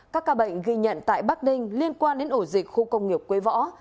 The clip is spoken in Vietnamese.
các ca bệnh ghi nhận tại bắc ninh liên quan đến ổ dịch khu công nghiệp quế võ